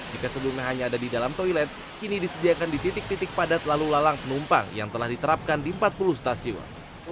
jika sebelumnya hanya ada di dalam toilet kini disediakan di titik titik padat lalu lalang penumpang yang telah diterapkan di empat puluh stasiun